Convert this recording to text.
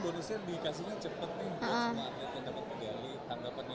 buat semua atlet yang dapat medali